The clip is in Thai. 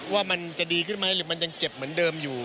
ว่ามันจะดีขึ้นไหมหรือมันยังเจ็บเหมือนเดิมอยู่